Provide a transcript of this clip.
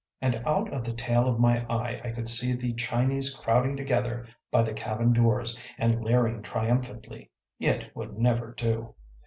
And out of the tail of my eye I could see the Chinese crowding together by the cabin doors and leering triumphantly. It would never do.